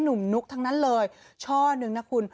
หนุ่มนุ๊กทั้งนั้นเลยช่อนึงนะคุณ